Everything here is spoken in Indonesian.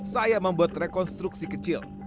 saya membuat rekonstruksi kecil